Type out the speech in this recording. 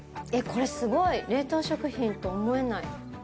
これすごい、冷凍食品と思えない。